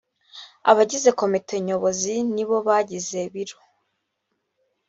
abagize komite nyobozi nibo bagize biro